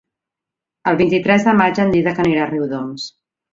El vint-i-tres de maig en Dídac anirà a Riudoms.